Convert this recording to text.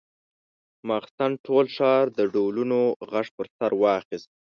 ماخستن ټول ښار د ډولونو غږ پر سر واخيست.